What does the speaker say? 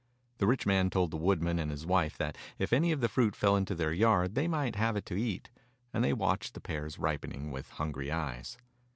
The rich man told the woodman and his wife that if any of the fruit fell into their yard they might have it to eat, and they watched the pears ripening with hungry eyes.